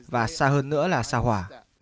và xa hơn nữa là xa hỏa